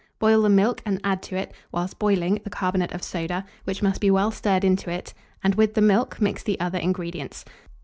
Boil the milk, and add to it, whilst boiling, the carbonate of soda, which must be well stirred into it, and, with the milk, mix the other ingredients.